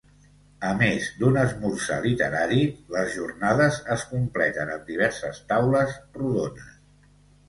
A més d’un esmorzar literari, les jornades es completen amb diverses taules rodones.